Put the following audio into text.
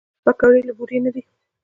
پکورې له بوره نه دي